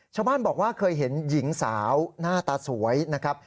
ชาวบ้านบอกว่าเคยเห็นหญิงสาวหน้าตาสวยนะครับ